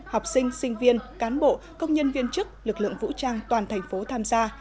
học sinh sinh viên cán bộ công nhân viên chức lực lượng vũ trang toàn thành phố tham gia